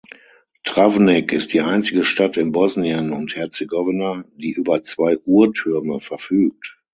Travnik ist die einzige Stadt in Bosnien und Herzegowina, die über zwei Uhrtürme verfügt.